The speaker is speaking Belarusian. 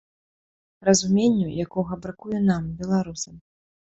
Разуменню, якога бракуе нам, беларусам.